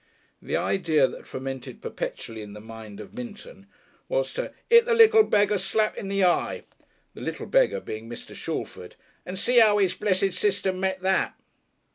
The idea that fermented perpetually in the mind of Minton was to "hit the little beggar slap in the eye" the little beggar being Mr. Shalford "and see how his blessed System met that."